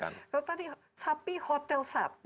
kalau tadi sapi hotel sapi